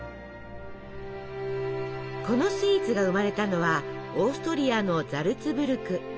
このスイーツが生まれたのはオーストリアのザルツブルク。